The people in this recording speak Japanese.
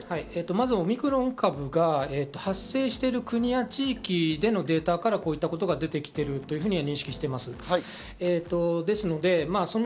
まずオミクロン株が発生している国や地域でのデータからこういったことが出てきていると認識しています。